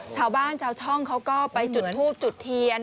ชาวบ้านชาวช่องเขาก็ไปจุดทูบจุดเทียน